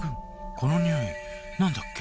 このにおいなんだっけ？